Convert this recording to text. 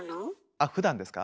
あっふだんですか？